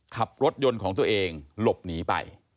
ขับรถยนต์ของตัวเองหลบหนีไป